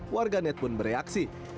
warganet pun bereaksi